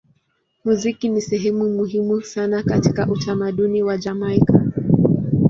Muziki ni sehemu muhimu sana katika utamaduni wa Jamaika.